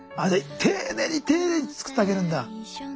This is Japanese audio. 丁寧に丁寧に作ってあげるんだ。